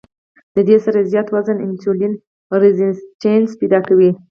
د دې سره زيات وزن انسولين ريزسټنس پېدا کوي